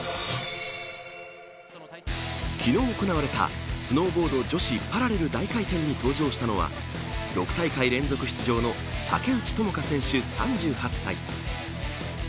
昨日行われたスノーボード女子パラレル大回転に登場したのは６大会連続出場の竹内智香選手、３８歳。